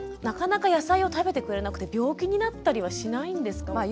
なかなか野菜を食べてくれなくて病気になったりはしないんですか？